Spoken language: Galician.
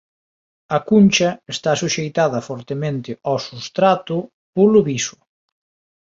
A cuncha está suxeitada fortemente ó substrato polo biso.